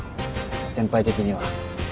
先輩的には。